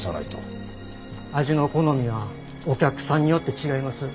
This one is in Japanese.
味の好みはお客さんによって違います。